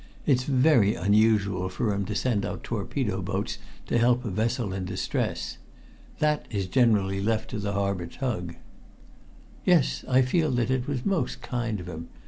"It's very unusual for him to send out torpedo boats to help a vessel in distress. That is generally left to the harbor tug." "Yes, I feel that it was most kind of him.